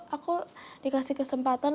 aku dikasih kesempatan